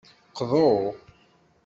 Qḍu.